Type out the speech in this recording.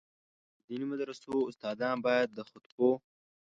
د دیني مدرسو استادان باید د خطبو.